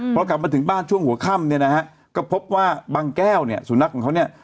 พอกลับมาถึงบ้านช่วงหัวค่ำเนี่ยนะฮะก็พบว่าบางแก้วเนี่ยสุนัขของเขาเนี่ย